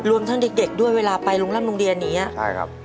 รวมทั้งเด็กด้วยเวลาไปรุงร่ำโรงเรียนนี้ใช่ครับ